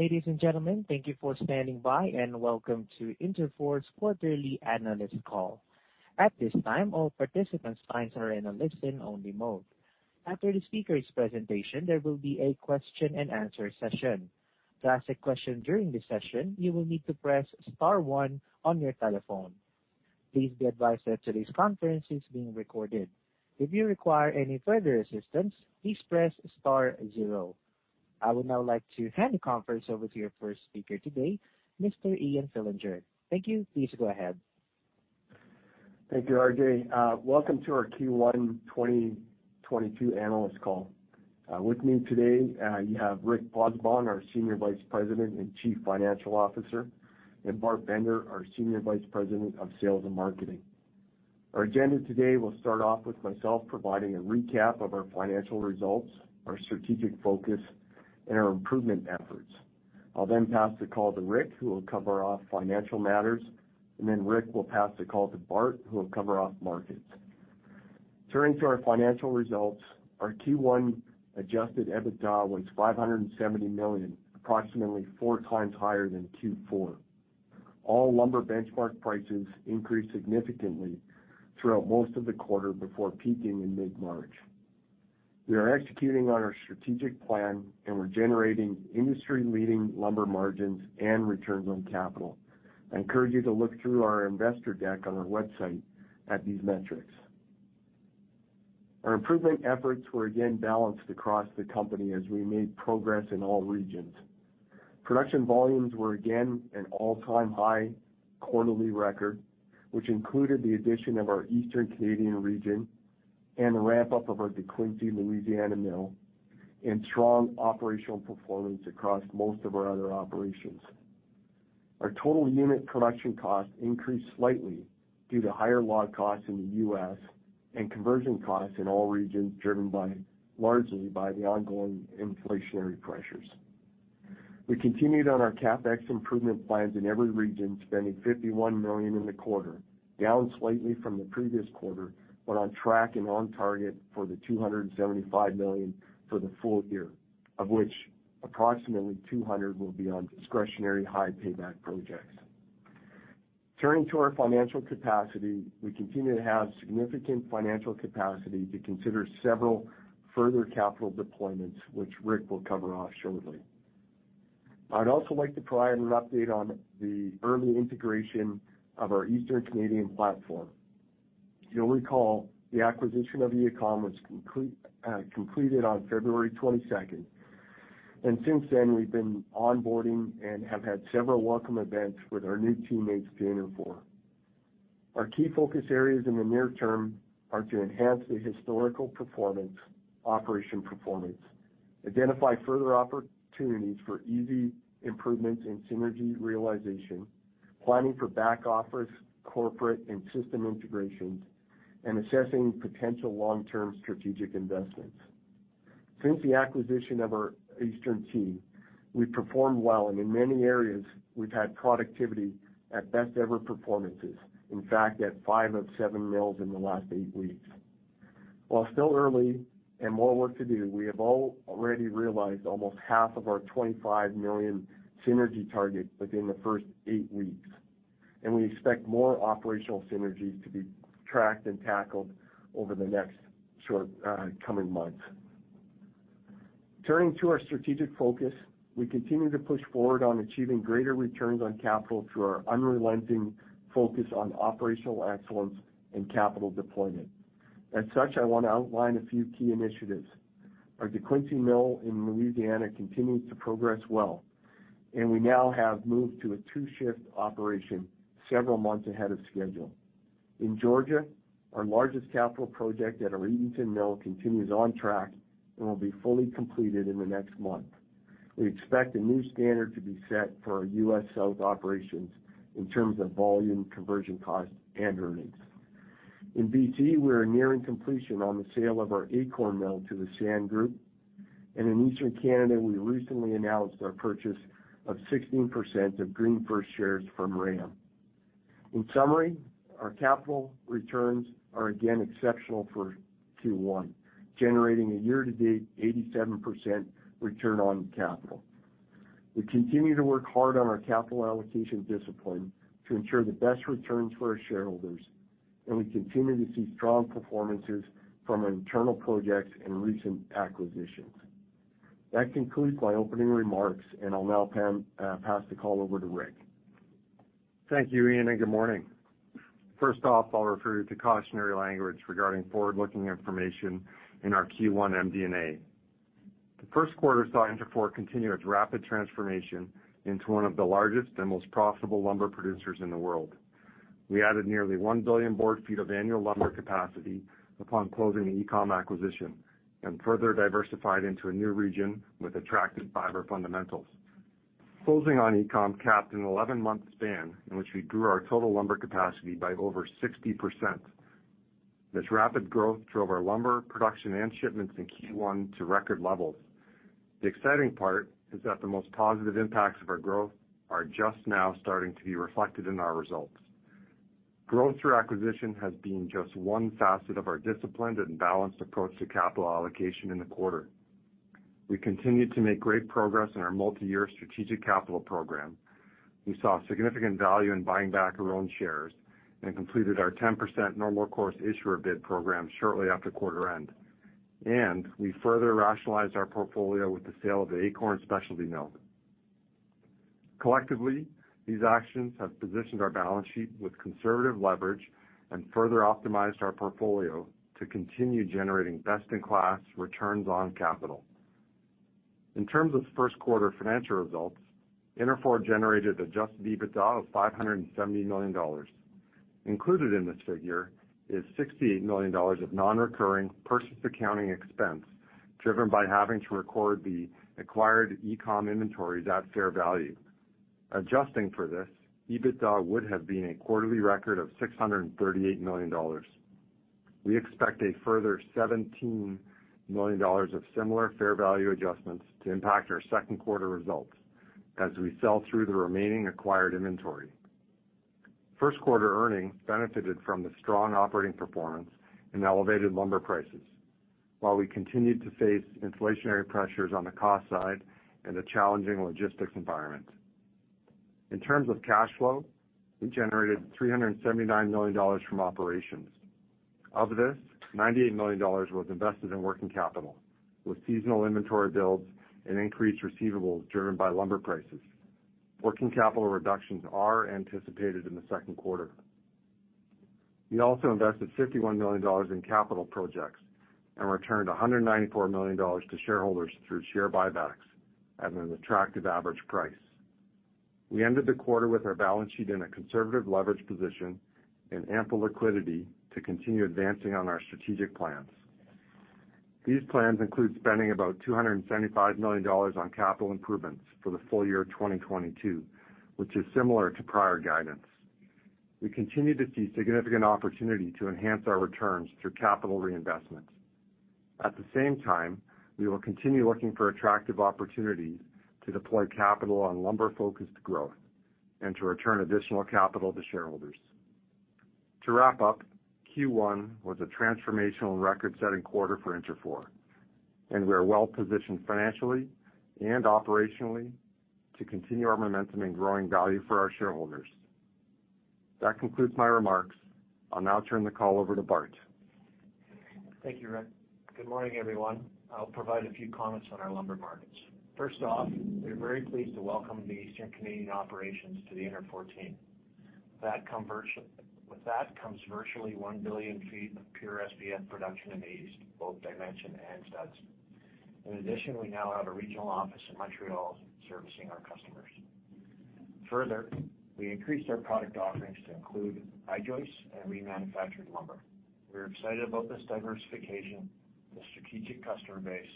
Ladies and gentlemen, thank you for standing by, and welcome to Interfor's quarterly analyst call. At this time, all participants' lines are in a listen-only mode. After the speakers' presentation, there will be a question-and-answer session. To ask a question during this session, you will need to press star one on your telephone. Please be advised that today's conference is being recorded. If you require any further assistance, please press star zero. I would now like to hand the conference over to your first speaker today, Mr. Ian Fillinger. Thank you. Please go ahead. Thank you, RJ. Welcome to our Q1 2022 analyst call. With me today, you have Rick Pozzebon, our Senior Vice President and Chief Financial Officer, and Bart Bender, our Senior Vice President of Sales and Marketing. Our agenda today will start off with myself providing a recap of our financial results, our strategic focus, and our improvement efforts. I'll then pass the call to Rick, who will cover our financial matters, and then Rick will pass the call to Bart, who will cover our markets. Turning to our financial results, our Q1 Adjusted EBITDA was $570 million, approximately 4x higher than Q4. All lumber benchmark prices increased significantly throughout most of the quarter before peaking in mid-March. We are executing on our strategic plan, and we're generating industry-leading lumber margins and returns on capital. I encourage you to look through our investor deck on our website at these metrics. Our improvement efforts were again balanced across the company as we made progress in all regions. Production volumes were again an all-time high quarterly record, which included the addition of our Eastern Canadian region and the ramp-up of our DeQuincy, Louisiana mill and strong operational performance across most of our other operations. Our total unit production cost increased slightly due to higher log costs in the U.S. and conversion costs in all regions, driven by, largely by the ongoing inflationary pressures. We continued on our CapEx improvement plans in every region, spending 51 million in the quarter, down slightly from the previous quarter, but on track and on target for the 275 million for the full year, of which approximately 200 million will be on discretionary high payback projects. Turning to our financial capacity, we continue to have significant financial capacity to consider several further capital deployments, which Rick will cover off shortly. I'd also like to provide an update on the early integration of our Eastern Canadian platform. You'll recall the acquisition of EACOM was completed on February 22nd, and since then, we've been onboarding and have had several welcome events with our new teammates at Interfor. Our key focus areas in the near term are to enhance operational performance, identify further opportunities for easy improvements in synergy realization, planning for back-office, corporate, and system integrations, and assessing potential long-term strategic investments. Since the acquisition of our Eastern team, we've performed well, and in many areas, we've had productivity at best-ever performances, in fact, at 5/7 mills in the last 8 weeks. While still early and more work to do, we have already realized almost half of our 25 million synergy target within the first 8 weeks, and we expect more operational synergies to be tracked and tackled over the next short, coming months. Turning to our strategic focus, we continue to push forward on achieving greater returns on capital through our unrelenting focus on operational excellence and capital deployment. As such, I wanna outline a few key initiatives. Our DeQuincy mill in Louisiana continues to progress well, and we now have moved to a two-shift operation several months ahead of schedule. In Georgia, our largest capital project at our Eatonton mill continues on track and will be fully completed in the next month. We expect a new standard to be set for our U.S. South operations in terms of volume, conversion cost, and earnings. In BC, we're nearing completion on the sale of our Acorn mill to the San Group. In Eastern Canada, we recently announced our purchase of 16% of GreenFirst shares from RAM. In summary, our capital returns are again exceptional for Q1, generating a year-to-date 87% return on capital. We continue to work hard on our capital allocation discipline to ensure the best returns for our shareholders, and we continue to see strong performances from our internal projects and recent acquisitions. That concludes my opening remarks, and I'll now pass the call over to Rick. Thank you, Ian, and good morning. First off, I'll refer you to cautionary language regarding forward-looking information in our Q1 MD&A. The first quarter saw Interfor continue its rapid transformation into one of the largest and most profitable lumber producers in the world. We added nearly 1 billion board feet of annual lumber capacity upon closing the EACOM acquisition and further diversified into a new region with attractive fiber fundamentals. Closing on EACOM capped an 11-month span in which we grew our total lumber capacity by over 60%. This rapid growth drove our lumber production and shipments in Q1 to record levels. The exciting part is that the most positive impacts of our growth are just now starting to be reflected in our results. Growth through acquisition has been just one facet of our disciplined and balanced approach to capital allocation in the quarter. We continued to make great progress in our multi-year strategic capital program. We saw significant value in buying back our own shares and completed our 10% Normal Course Issuer Bid program shortly after quarter end. We further rationalized our portfolio with the sale of the Acorn specialty mill. Collectively, these actions have positioned our balance sheet with conservative leverage and further optimized our portfolio to continue generating best-in-class returns on capital. In terms of first quarter financial results, Interfor generated adjusted EBITDA of 570 million dollars. Included in this figure is 68 million dollars of non-recurring purchase accounting expense, driven by having to record the acquired EACOM inventories at fair value. Adjusting for this, EBITDA would have been a quarterly record of 638 million dollars. We expect a further 17 million dollars of similar fair value adjustments to impact our second quarter results as we sell through the remaining acquired inventory. First quarter earnings benefited from the strong operating performance and elevated lumber prices, while we continued to face inflationary pressures on the cost side and a challenging logistics environment. In terms of cash flow, we generated 379 million dollars from operations. Of this, 98 million dollars was invested in working capital, with seasonal inventory builds and increased receivables driven by lumber prices. Working capital reductions are anticipated in the second quarter. We also invested 51 million dollars in capital projects and returned 194 million dollars to shareholders through share buybacks at an attractive average price. We ended the quarter with our balance sheet in a conservative leverage position and ample liquidity to continue advancing on our strategic plans. These plans include spending about 275 million dollars on capital improvements for the full year 2022, which is similar to prior guidance. We continue to see significant opportunity to enhance our returns through capital reinvestment. At the same time, we will continue looking for attractive opportunities to deploy capital on lumber-focused growth and to return additional capital to shareholders. To wrap up, Q1 was a transformational record-setting quarter for Interfor, and we are well positioned financially and operationally to continue our momentum in growing value for our shareholders. That concludes my remarks. I'll now turn the call over to Bart. Thank you, Rick. Good morning, everyone. I'll provide a few comments on our lumber markets. First off, we're very pleased to welcome the Eastern Canadian operations to the Interfor team. With that comes virtually 1 billion ft of pure SPF production in the East, both dimension and studs. In addition, we now have a regional office in Montreal servicing our customers. Further, we increased our product offerings to include I-Joist and remanufactured lumber. We're excited about this diversification, the strategic customer base,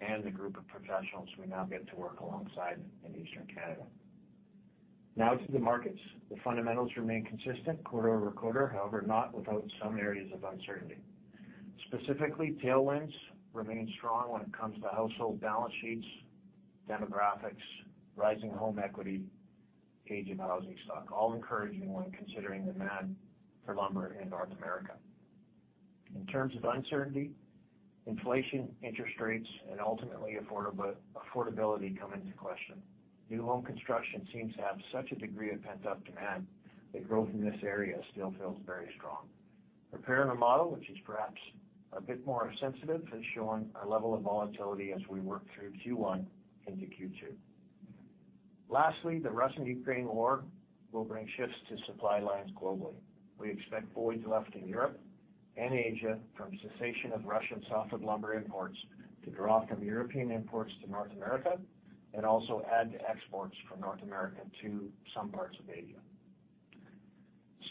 and the group of professionals we now get to work alongside in Eastern Canada. Now to the markets. The fundamentals remain consistent quarter-over-quarter, however, not without some areas of uncertainty. Specifically, tailwinds remain strong when it comes to household balance sheets, demographics, rising home equity, age of housing stock, all encouraging when considering the demand for lumber in North America. In terms of uncertainty, inflation, interest rates, and ultimately affordability come into question. New home construction seems to have such a degree of pent-up demand that growth in this area still feels very strong. Repair and remodel, which is perhaps a bit more sensitive, is showing a level of volatility as we work through Q1 into Q2. Lastly, the Russian-Ukraine war will bring shifts to supply lines globally. We expect voids left in Europe and Asia from cessation of Russian softwood lumber imports to draw from European imports to North America and also add to exports from North America to some parts of Asia.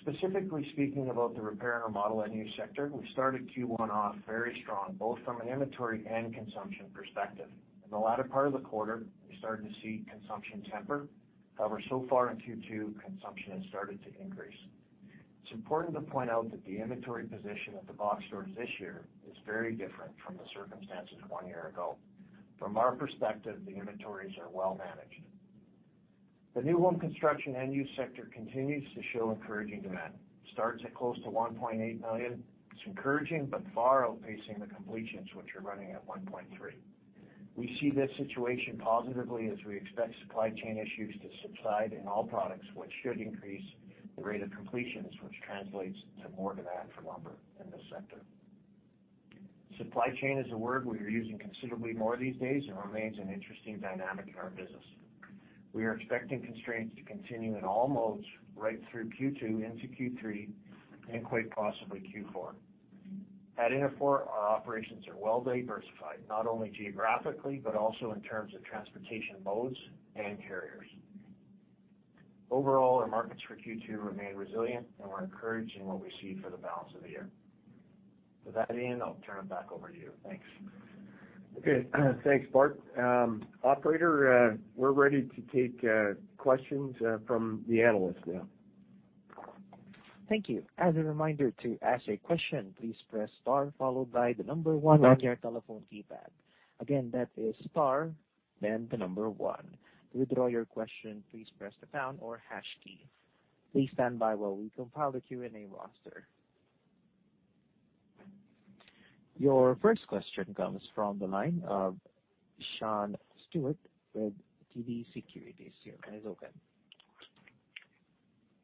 Specifically speaking about the repair and remodel end use sector, we started Q1 off very strong, both from an inventory and consumption perspective. In the latter part of the quarter, we started to see consumption temper. However, so far in Q2, consumption has started to increase. It's important to point out that the inventory position at the box stores this year is very different from the circumstances 1 year ago. From our perspective, the inventories are well managed. The new home construction end use sector continues to show encouraging demand. Starts at close to 1.8 million. It's encouraging but far outpacing the completions, which are running at 1.3 million. We see this situation positively as we expect supply chain issues to subside in all products, which should increase the rate of completions, which translates to more demand for lumber in this sector. Supply chain is a word we are using considerably more these days and remains an interesting dynamic in our business. We are expecting constraints to continue in all modes right through Q2 into Q3 and quite possibly Q4. At Interfor, our operations are well diversified, not only geographically, but also in terms of transportation modes and carriers. Overall, our markets for Q2 remain resilient, and we're encouraged in what we see for the balance of the year. With that, Ian, I'll turn it back over to you. Thanks. Okay. Thanks, Bart. Operator, we're ready to take questions from the analysts now. Thank you. As a reminder, to ask a question, please press star followed by the number one on your telephone keypad. Again, that is star, then the number one. To withdraw your question, please press the pound or hash key. Please stand by while we compile the Q&A roster. Your first question comes from the line of Sean Steuart with TD Securities. Your line is open.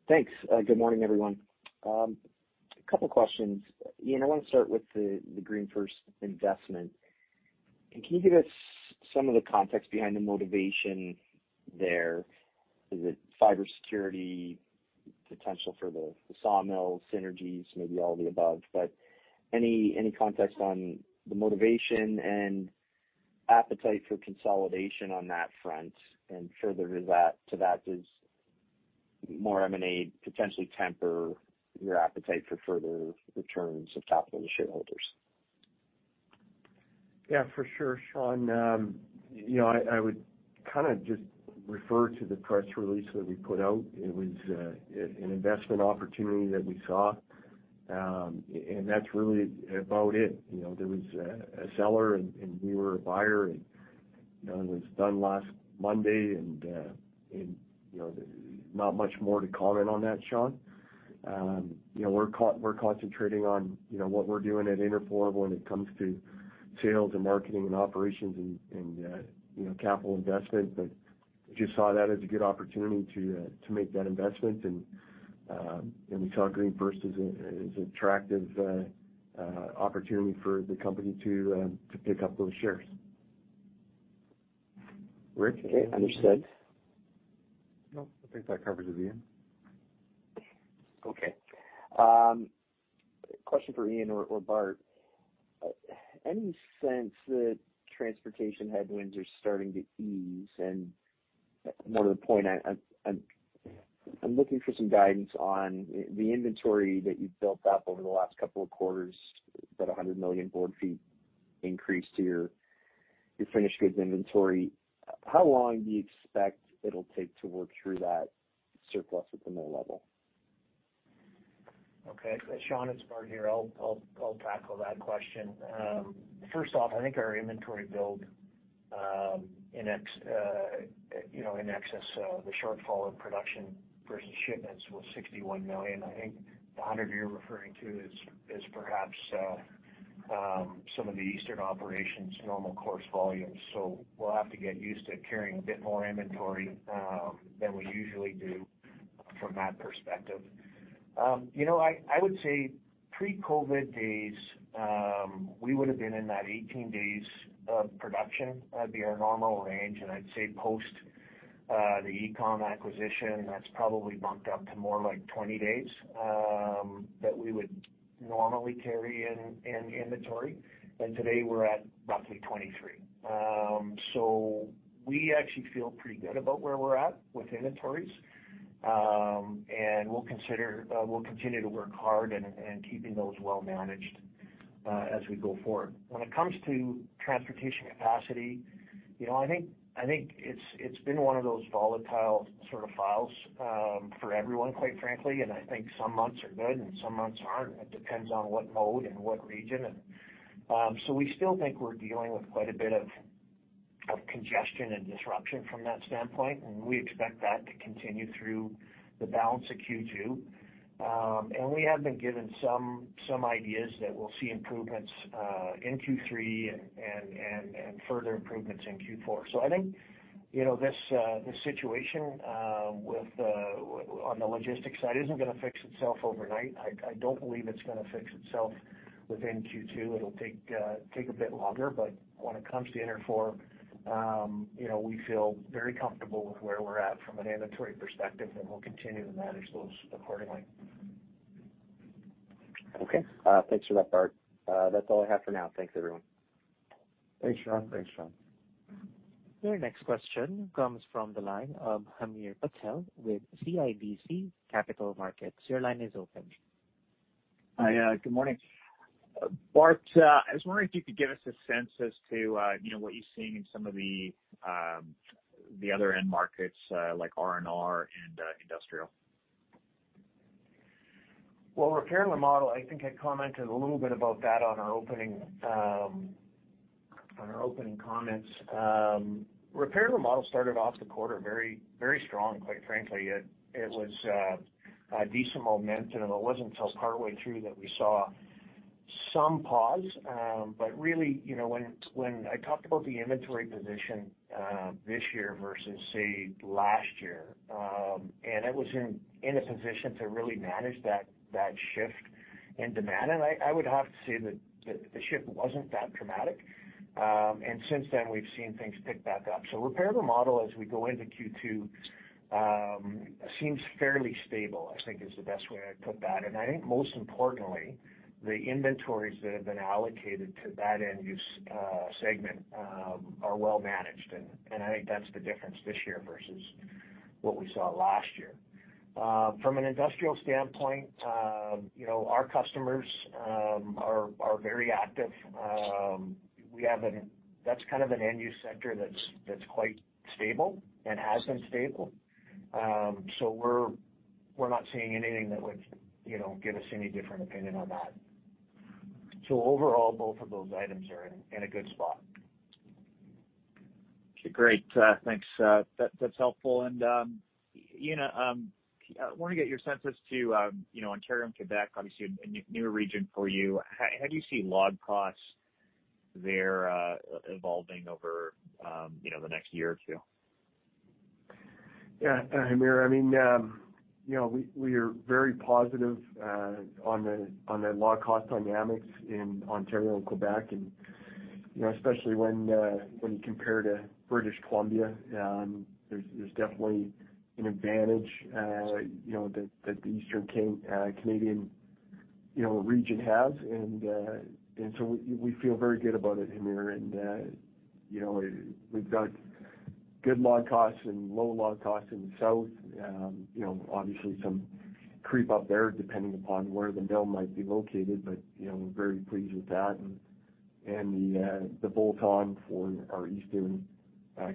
Thanks. Good morning, everyone. A couple questions. Ian, I wanna start with the GreenFirst investment. Can you give us some of the context behind the motivation there? Is it fiber security potential for the sawmill synergies, maybe all of the above, but any context on the motivation and appetite for consolidation on that front? Further to that, does more M&A potentially temper your appetite for further returns of capital to shareholders? Yeah, for sure, Sean. You know, I would kinda just refer to the press release that we put out. It was an investment opportunity that we saw, and that's really about it. You know, there was a seller and we were a buyer and, you know, it was done last Monday and you know, not much more to comment on that, Sean. You know, we're concentrating on, you know, what we're doing at Interfor when it comes to sales and marketing and operations and you know, capital investment. Just saw that as a good opportunity to make that investment and we saw GreenFirst as an attractive opportunity for the company to pick up those shares. Rick, anything? Okay. Understood. No, I think that covers it, Ian. Okay. Question for Ian or Bart. Any sense that transportation headwinds are starting to ease? More to the point, I'm looking for some guidance on the inventory that you've built up over the last couple of quarters, about 100 million board feet increase to your finished goods inventory. How long do you expect it'll take to work through that surplus at the mill level? Okay. Sean, it's Bart here. I'll tackle that question. First off, I think our inventory build, you know, in excess of the shortfall in production versus shipments was 61 million. I think the 100 you're referring to is perhaps some of the eastern operations' normal course volumes. So we'll have to get used to carrying a bit more inventory than we usually do from that perspective. You know, I would say pre-COVID days, we would've been in that 18 days of production. That'd be our normal range, and I'd say post the EACOM acquisition, that's probably bumped up to more like 20 days that we would normally carry in inventory. Today, we're at roughly 23. So we actually feel pretty good about where we're at with inventories. We'll continue to work hard and keeping those well managed as we go forward. When it comes to transportation capacity, you know, I think it's been one of those volatile sort of files for everyone, quite frankly. I think some months are good, and some months aren't. It depends on what mode and what region and. We still think we're dealing with quite a bit of congestion and disruption from that standpoint, and we expect that to continue through the balance of Q2. We have been given some ideas that we'll see improvements in Q3 and further improvements in Q4. I think, you know, this situation with on the logistics side isn't gonna fix itself overnight. I don't believe it's gonna fix itself within Q2. It'll take a bit longer, but when it comes to Interfor, you know, we feel very comfortable with where we're at from an inventory perspective, and we'll continue to manage those accordingly. Okay. Thanks for that, Bart. That's all I have for now. Thanks, everyone. Thanks, Sean. Thanks, Sean. Your next question comes from the line of Hamir Patel with CIBC Capital Markets. Your line is open. Hi. Good morning. Bart, I was wondering if you could give us a sense as to, you know, what you're seeing in some of the other end markets, like R&R and industrial. Well, repair and remodel, I think I commented a little bit about that on our opening comments. Repair and remodel started off the quarter very, very strong, quite frankly. It was a decent momentum. It wasn't until partway through that we saw some pause. But really, you know, when I talked about the inventory position this year versus, say, last year, and it was in a position to really manage that shift in demand. I would have to say that the shift wasn't that dramatic. Since then, we've seen things pick back up. Repair and remodel as we go into Q2 seems fairly stable, I think is the best way I'd put that. I think most importantly, the inventories that have been allocated to that end-use segment are well managed. I think that's the difference this year versus what we saw last year. From an industrial standpoint, you know, our customers are very active. That's kind of an end-use sector that's quite stable and has been stable. We're not seeing anything that would, you know, give us any different opinion on that. Overall, both of those items are in a good spot. Great. Thanks. That's helpful. You know, wanna get your sense as to, you know, Ontario and Quebec, obviously a new region for you. How do you see log costs there, evolving over, the next year or 2? Yeah. I mean, you know, we are very positive on the log cost dynamics in Ontario and Quebec and, you know, especially when you compare to British Columbia, there's definitely an advantage, you know, that the Eastern Canadian region has. We feel very good about it, Hamir. You know, we've got good log costs and low log costs in the South. You know, obviously some creep up there depending upon where the mill might be located. You know, we're very pleased with that. The bolt-on for our Eastern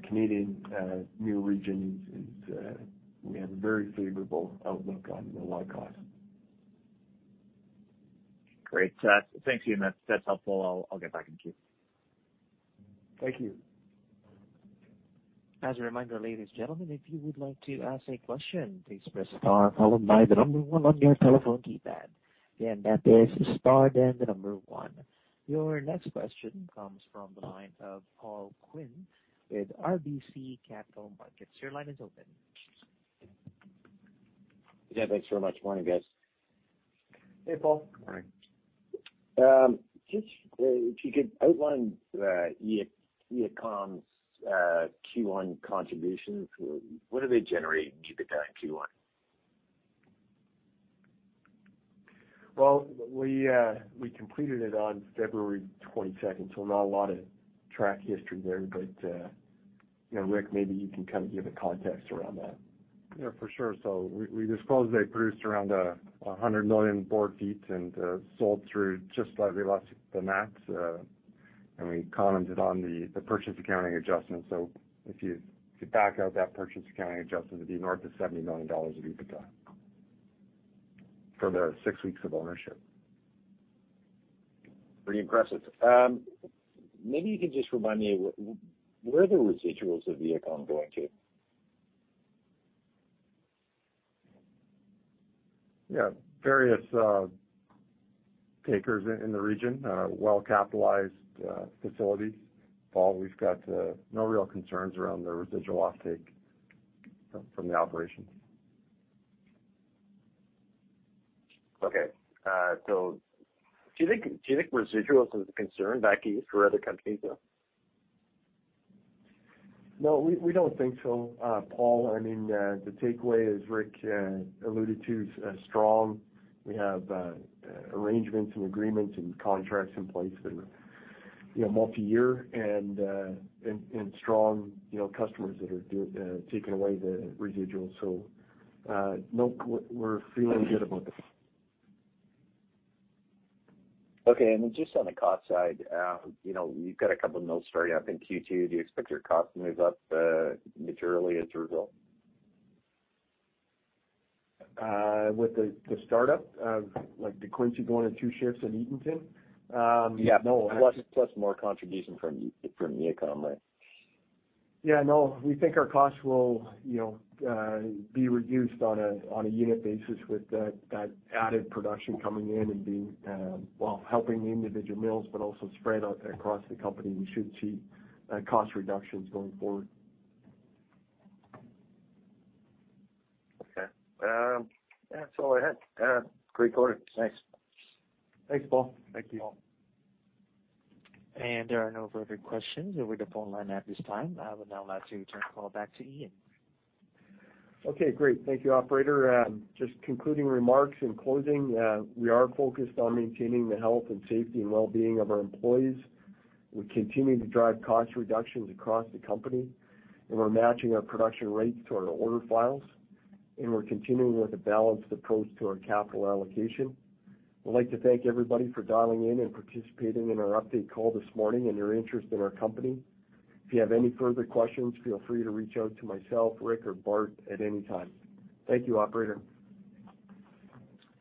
Canadian new region is we have a very favorable outlook on the log cost. Great. Thanks, Ian. That's helpful. I'll get back in queue. Thank you. As a reminder, ladies and gentlemen, if you would like to ask a question, please press star followed by the number one on your telephone keypad. Again, that is star, then the number one. Your next question comes from the line of Paul Quinn with RBC Capital Markets. Your line is open. Yeah, thanks very much. Morning, guys. Hey, Paul. All right. Just if you could outline the EACOM's Q1 contributions. What are they generating EBITDA in Q1? Well, we completed it on February 22nd, so not a lot of track history there. You know, Rick, maybe you can kind of give a context around that. Yeah, for sure. We disclosed they produced around 100 million board feet and sold just less than that. We commented on the purchase accounting adjustment. If you back out that purchase accounting adjustment, it'd be north of $70 million of EBITDA for their 6 weeks of ownership. Pretty impressive. Maybe you can just remind me, where are the residuals of EACOM going to? Yeah. Various takers in the region, well-capitalized facilities. Paul, we've got no real concerns around the residual offtake from the operations. Okay. Do you think residuals is a concern back here for other companies? No, we don't think so, Paul. I mean, the takeaway, as Rick alluded to, is strong. We have arrangements and agreements and contracts in place and, you know, multiyear and strong, you know, customers that are taking away the residuals. Nope, we're feeling good about this. Okay. Just on the cost side, you know, you've got a couple of mills starting up in Q2. Do you expect your costs to move up, materially as a result? With the startup of like DeQuincy going in two shifts in Eatonton? No. Yeah. Plus more contribution from the EACOM plant. Yeah, no, we think our costs will, you know, be reduced on a unit basis with that added production coming in and being well, helping the individual mills but also spread out across the company. We should see cost reductions going forward. Okay. That's all I had. Great quarter. Thanks. Thanks, Paul. Thank you. There are no further questions over the phone line at this time. I will now let you turn the call back to Ian. Okay, great. Thank you, operator. Just concluding remarks in closing. We are focused on maintaining the health and safety and well-being of our employees. We continue to drive cost reductions across the company, and we're matching our production rates to our order files, and we're continuing with a balanced approach to our capital allocation. I'd like to thank everybody for dialing in and participating in our update call this morning and your interest in our company. If you have any further questions, feel free to reach out to myself, Rick, or Bart at any time. Thank you, operator.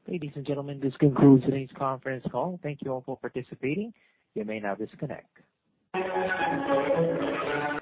Ladies and gentlemen, this concludes today's conference call. Thank you all for participating. You may now disconnect.